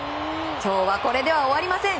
今日は、これでは終わりません。